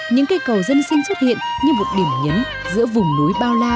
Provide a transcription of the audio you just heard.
những cây cầu dân sinh xuất hiện như một điểm nhấn giữa vùng núi bao la